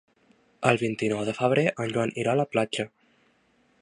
El vint-i-nou de febrer en Joan irà a la platja.